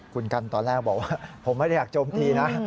คุณกันตอนแรกบอกว่าผมไม่ได้อยากโจมตีนะ